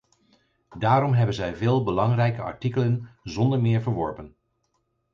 Daarom hebben zij veel belangrijke artikelen zonder meer verworpen.